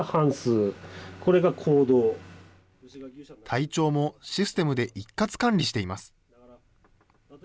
体調もシステムで一括管理しています。